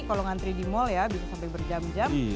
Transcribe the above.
kalau ngantri di mal ya bisa sampai berjam jam